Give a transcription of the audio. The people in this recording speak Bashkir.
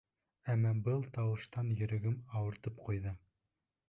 Әммә был тауыштан йөрәгем ауыртып ҡуйҙы.